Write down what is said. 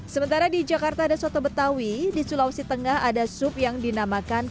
sementara di jakarta ada soto betawi di sulawesi tengah ada sup yang dinamakan